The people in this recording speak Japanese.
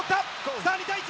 さあ２対１。